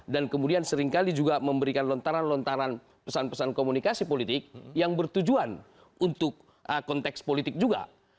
dan kemudian seringkali juga memberikan lontaran lontaran pesan pesan komunikasi politik yang bertujuan untuk konteks politik juga